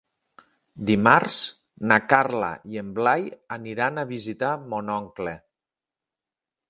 Dimarts na Carla i en Blai aniran a visitar mon oncle.